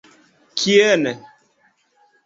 Kien?